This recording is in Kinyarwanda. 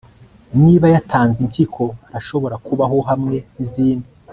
niba yatanze impyiko, arashobora kubaho hamwe nizindi